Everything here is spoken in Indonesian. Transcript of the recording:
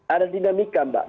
ada dinamika mbak